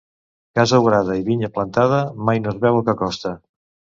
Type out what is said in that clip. Casa obrada i vinya plantada, mai no es veu el que costa.